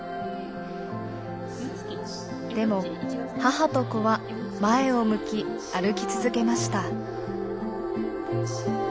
でも母と子は前を向き歩き続けました。